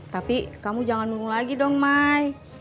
tapi kamu jangan nurul lagi dong mai